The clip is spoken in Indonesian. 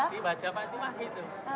sensasinya di baja fatima gitu